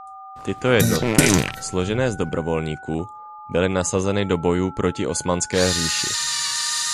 Tyto jednotky složené z dobrovolníků byly nasazeny do bojů proti Osmanské říši.